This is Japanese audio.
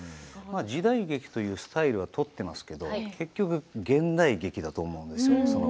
時代劇というスタイルはとっていますけど、結局現代劇だと思うんですよ。